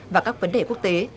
và các vấn đề quốc tế